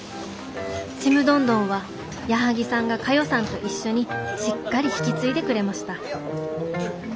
「ちむどんどんは矢作さんが佳代さんと一緒にしっかり引き継いでくれました」。